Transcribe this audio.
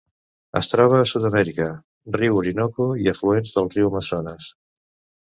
Es troba a Sud-amèrica: riu Orinoco i afluents del riu Amazones.